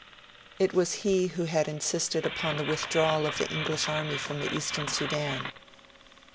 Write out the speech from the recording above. It was he who had insisted upon the withdrawal of the English army from the Eastern Sudan.